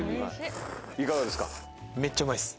いかがですか？